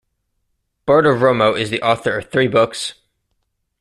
Bartiromo is the author of three books.